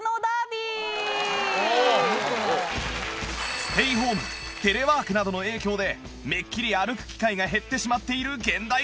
ステイホームテレワークなどの影響でめっきり歩く機会が減ってしまっている現代人。